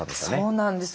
そうなんです。